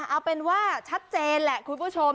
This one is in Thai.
เอาเป็นว่าชัดเจนแหละคุณผู้ชม